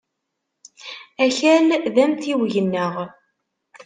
Akal d amtiweg-nneɣ.